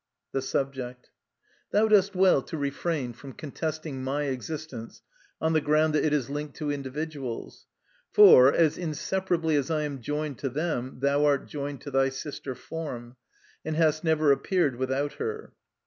The Subject. Thou dost well to refrain from contesting my existence on the ground that it is linked to individuals; for, as inseparably as I am joined to them, thou art joined to thy sister, Form, and hast never appeared without her.